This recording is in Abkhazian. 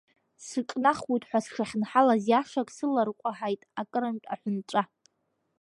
Сыҿнахуеит ҳәа сшахьынҳалаз иашак, сыларкәаҳаит акырынтә аҳәынҵәа.